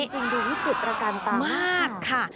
จริงดูวิจิตรการตามากค่ะ